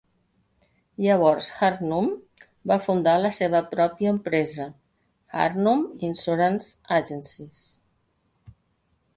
Llavors Harnum va fundar la seva pròpia empresa, Harnum Insurance Agencies.